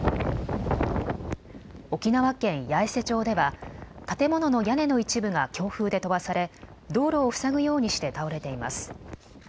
沖縄県八重瀬町では建物の屋根の一部が強風で飛ばされ道路を塞ぐようにして倒れています。